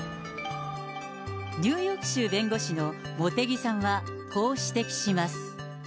ニューヨーク州弁護士の茂木さんは、こう指摘します。